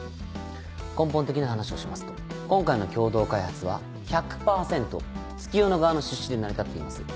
根本的な話をしますと今回の共同開発は１００％月夜野側の出資で成り立っています。